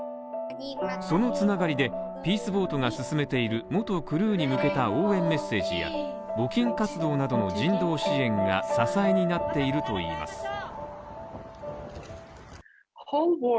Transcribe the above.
そのつながりで、ピースボートが進めている元クルーに向けた応援メッセージや募金活動などの人道支援が支えになっているといいます。